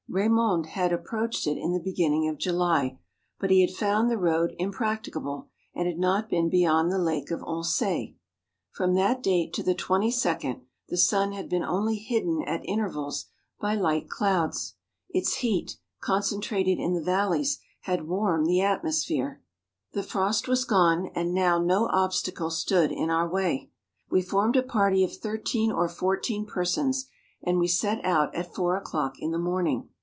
Eamond had approached it in the beginning of July, but he had found the road impracticable, and had not been beyond the Lake of Oncet. From that date to the 22nd, the sun had been only hidden at intervals by light clouds. Its heat, concentrated in the valleys, had warmed the atmosphere; the frost was gone, and now no obstacle stood in our way. We formed a party of thirteen or fourteen per¬ sons, and we set out at four o'clock in the morning.